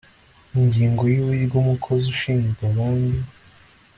ingingo y'uburyo umukozi ushinzwe abandi